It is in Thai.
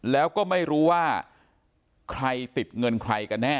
แล้วก็ไม่รู้ว่าใครติดเงินใครกันแน่